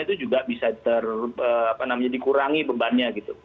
itu juga bisa dikurangi bebannya gitu